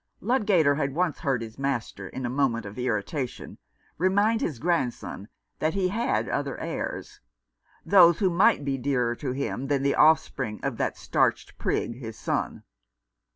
Ludgater had once heard his master, in a moment of irritation, remind his grandson that he had other heirs — those who might be dearer to him than the offspring of that starched prig, his son.